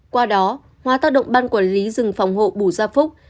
qua đó hóa tác động ban quản lý rừng phòng hộ bù gia phúc